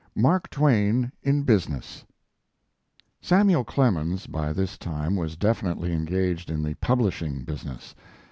MARK TWAIN IN BUSINESS Samuel Clemens by this time was definitely engaged in the publishing business.